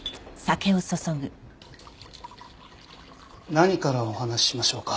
何からお話ししましょうか。